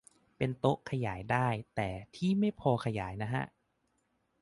เป็นโต๊ะขยายได้ แต่ที่ไม่พอขยายนะฮะ